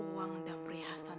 uang dan perhiasan